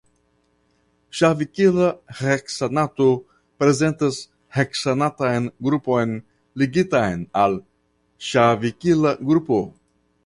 Ŝavikila heksanato prezentas heksanatan grupon ligitan al ŝavikila grupo.